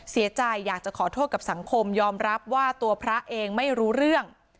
เสียใจอยากจะขอโทษกับสังคมยอมรับว่าตัวพระเองไม่รู้เรื่อง